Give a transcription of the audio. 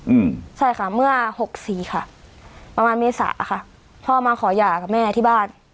อืมใช่ค่ะเมื่อหกสี่ค่ะประมาณเมษาค่ะพ่อมาขอหย่ากับแม่ที่บ้าน